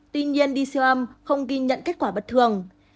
tuy nhiên đi siêu âm không ghi nhận kết quả bất thường